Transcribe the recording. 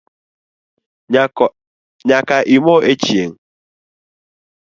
Nyaka imo echieng